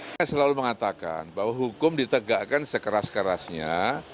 saya selalu mengatakan bahwa hukum ditegakkan sekeras kerasnya